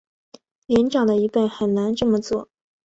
年长的一辈很难这么做